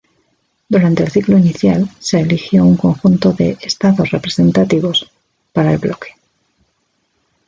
Durante el ciclo inicial se eligió un conjunto de "estados representativos" para el bloque.